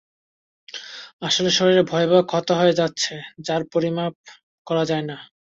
আসলে শরীরে ভয়াবহ ক্ষতি হয়ে যাচ্ছে, যার পরিমাপ করা যায় না।